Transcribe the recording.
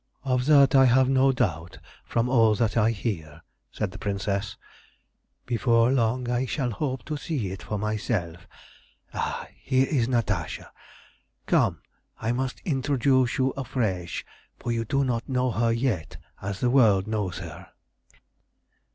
"Of that I have no doubt, from all that I hear," said the Princess. "Before long I shall hope to see it for myself. Ah, here is Natasha. Come, I must introduce you afresh, for you do not know her yet as the world knows her."